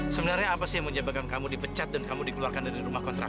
sampai jumpa di video selanjutnya